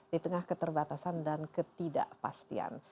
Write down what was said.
di tengah keterbatasan dan ketidakpastian